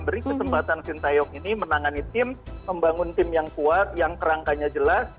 beri kesempatan sintayong ini menangani tim membangun tim yang kuat yang kerangkanya jelas